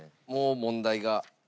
もう問題が。